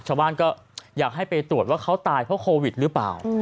ชาวบ้านก็อยากให้ไปตรวจว่าเขาตายเพราะโควิดหรือเปล่า